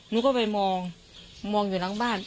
หนูก็ไปมองมองอยู่หลังบ้าน